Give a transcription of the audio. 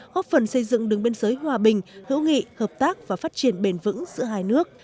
góp phần xây dựng đường biên giới hòa bình hữu nghị hợp tác và phát triển bền vững giữa hai nước